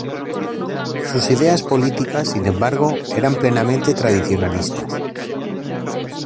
Sus ideas políticas, sin embargo, eran plenamente tradicionalistas.